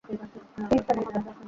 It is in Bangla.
ফিঞ্চ কেমন হবে?